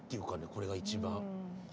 これが一番。